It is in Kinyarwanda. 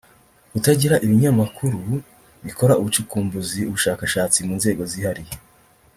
d) Kutagira ibinyamakuru bikora ubucukumbuzi (ubushakashatsi) mu nzego zihariye